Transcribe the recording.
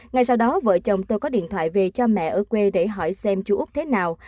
ngay sau đó vợ chồng tôi có điện thoại về cho mẹ ở quê để hỏi xem chú úc thế nào